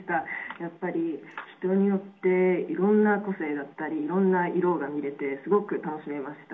やっぱり人によって、いろんな個性だったり、いろんな色が見れて、すごく楽しめました。